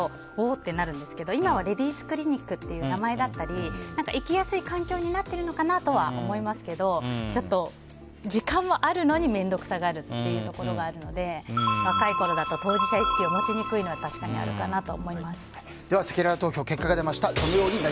ってなるんですけど今はレディースクリニックという名前だったり行きやすい環境になっているのかなと思いますけど、時間はあるのに面倒くさがるというところがあるので若いころだと当事者意識を持ちにくいのはでは、せきらら投票の結果です。